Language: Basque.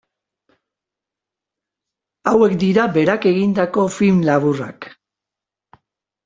Hauek dira berak egindako film laburrak.